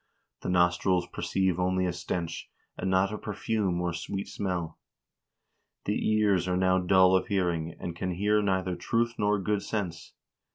The nostrils perceive only a stench, and not a perfume or sweet smell. The ears are now dull of hearing, and can hear neither truth nor good sense.